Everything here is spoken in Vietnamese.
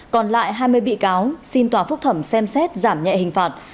còn lại hai mươi bị cáo xin tòa phúc thẩm xem xét giảm nhẹ hình phạt